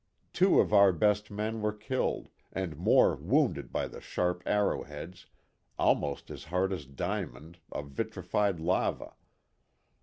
Two of our best men were killed and more wounded by the sharp arrow heads, almost as hard as diamond, of vitrified lava.